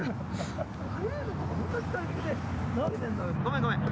ごめんごめん。